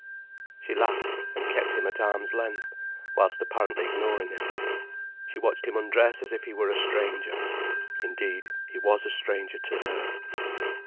She laughed, and kept him at arm's length, whilst apparently ignoring him. She watched him undress as if he were a stranger. Indeed he was a stranger to her.